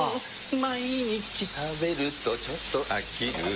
毎日食べるとちょっと飽きる